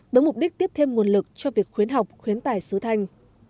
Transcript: với mục đích tiếp thêm nguồn lực cho việc khuyến học khuyến tài sứ thanh